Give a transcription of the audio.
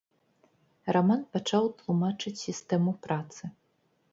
Раман пачаў тлумачыць сістэму працы.